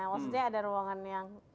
maksudnya ada ruangan yang